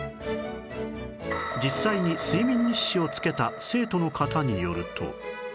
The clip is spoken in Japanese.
実際に睡眠日誌をつけた生徒の方によると